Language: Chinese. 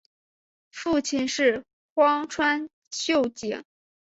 父亲是荒川秀景。